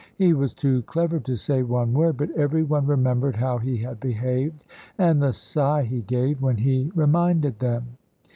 He was too clever to say one word; but every one remembered how he had behaved, and the sigh he gave when he reminded them.